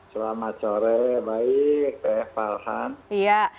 selamat sore baik